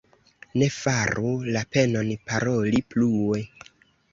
Ne faru la penon, paroli plue.